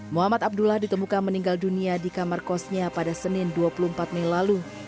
muhammad abdullah ditemukan meninggal dunia di kamar kosnya pada senin dua puluh empat mei lalu